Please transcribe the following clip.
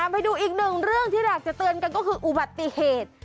ไปดูอีกหนึ่งเรื่องที่อยากจะเตือนกันก็คืออุบัติเหตุ